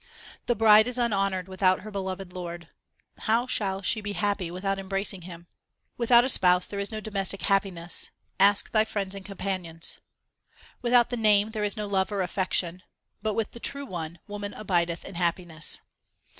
The bride is unhonoured without her beloved Lord. How shall she be happy without embracing Him ? Without a spouse there is no domestic happiness ; ask thy friends and companions. Without the Name there is no love or affection ; but, with the True One, woman abideth in happiness.